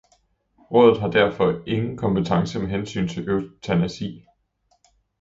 Rådet har derfor ingen kompetence med hensyn til eutanasi.